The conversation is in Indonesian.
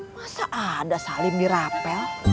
masa ada salim dirapel